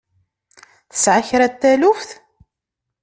Tesɛa kra n taluft?